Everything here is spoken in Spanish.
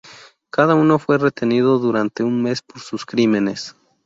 Cada uno fue retenido durante un mes por sus crímenes.